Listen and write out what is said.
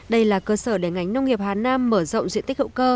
đây là cơ sở để ngành nông nghiệp hà nam mở rộng diện tích hữu cơ